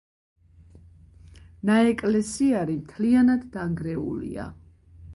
ნაეკლესიარი მთლიანად დანგრეულია.